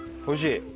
おいしい？